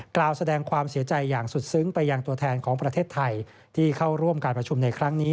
กล่าวแสดงความเสียใจอย่างสุดซึ้งไปยังตัวแทนของประเทศไทยที่เข้าร่วมการประชุมในครั้งนี้